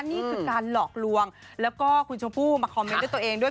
นี่คือการหลอกลวงแล้วก็คุณชมพู่มาคอมเมนต์ด้วยตัวเองด้วย